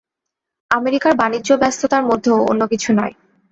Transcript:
আমেরিকার বাণিজ্য-ব্যস্ততার মধ্যেও অন্য কিছু নয়।